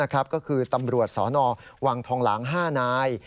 ก็คือตำรวจสนวังทองหลาง๕นาย